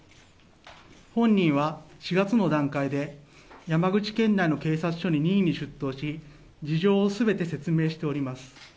本人は４月の段階で、山口県内の警察署に任意に出頭し、事情をすべて説明しております。